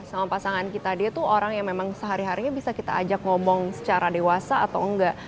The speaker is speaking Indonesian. sama pasangan kita dia tuh orang yang memang sehari harinya bisa kita ajak ngomong secara dewasa atau enggak